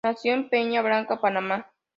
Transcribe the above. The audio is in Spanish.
Nació en Peña Blanca, Panamá.